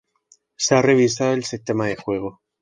Se ha revisado el sistema de juego.